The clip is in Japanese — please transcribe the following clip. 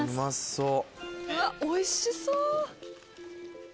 うわおいしそう。